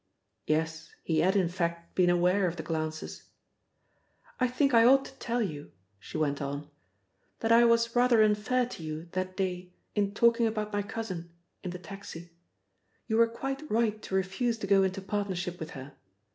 Yes, he had in fact been aware of the glances. "I think I ought to tell you," she went on, "that I was rather unfair to you that day in talking about my cousin in the taxi. You were quite right to refuse to go into partnership with her.